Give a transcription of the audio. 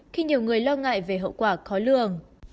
khi nhiều người lo ngại về hậu quả khó lường